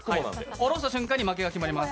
下ろした瞬間に負けが決まります。